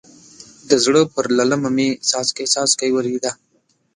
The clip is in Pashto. د زړه پر للمه مې څاڅکی څاڅکی ورېده.